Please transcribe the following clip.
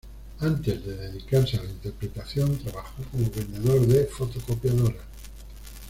Antes de dedicarse a la interpretación trabajó como vendedor de fotocopiadoras.